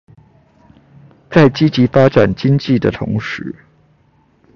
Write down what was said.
在積極發展經濟的同時